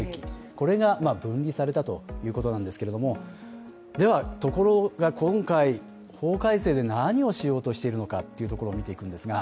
これが分離されたということなんですけれども、ところが今回法改正で何をしようとしているのかというところを見ていくんですが